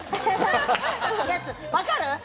分かる？